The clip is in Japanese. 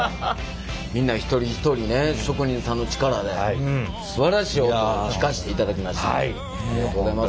みんな一人一人ね職人さんの力ですばらしい音を聞かせていただきましてありがとうございます。